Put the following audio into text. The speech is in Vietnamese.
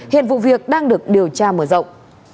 hiện vụ việc đang được điều tra mở rộng